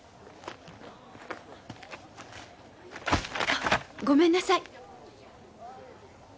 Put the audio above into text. あっごめんなさい！